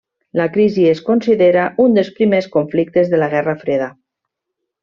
La crisi es considera un dels primers conflictes de la Guerra Freda.